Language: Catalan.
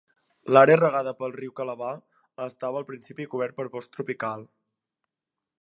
L'àrea regada pel riu Calabar estava al principi cobert per bosc tropical.